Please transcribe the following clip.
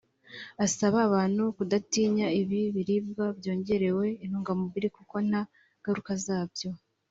Asaba abantu kudatinya ibi biribwa byongerewe intungamubiri kuko nta ngaruka zabyo